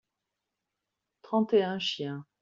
trente et un chiens.